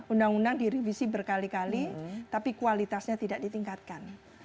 undang undang direvisi berkali kali tapi kualitasnya tidak ditingkatkan